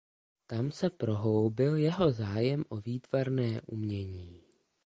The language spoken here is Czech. Tam se prohloubil jeho zájem o výtvarné umění.